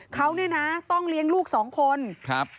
เขาเนี่ยนะต้องเลี้ยงลูกสองคนครับ